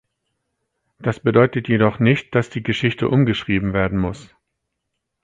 Das bedeutet jedoch nicht, dass die Geschichte umgeschrieben werden muss.